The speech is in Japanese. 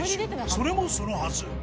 それもそのはず